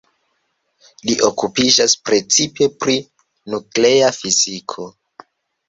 Li okupiĝas precipe pri nuklea fiziko.